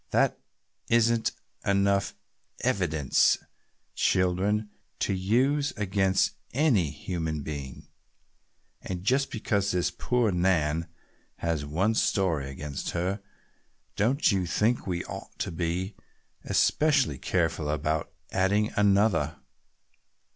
"That isn't enough evidence, children, to use against any human being! And just because this poor Nan has one story against her, don't you think we ought to be especially careful about adding another?"